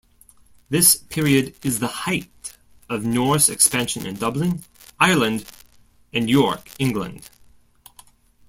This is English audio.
This period is the height of Norse expansion in Dublin, Ireland and York, England.